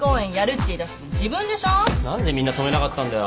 何でみんな止めなかったんだよ？